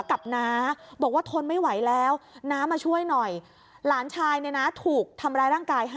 กับน้าบอกว่าทนไม่ไหวแล้วน้ามาช่วยหน่อยหลานชายเนี่ยนะถูกทำร้ายร่างกาย๕